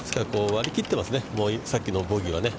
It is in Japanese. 割り切ってますね、さっきのボギーはね。